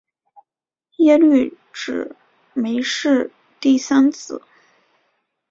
耶律只没是第三子。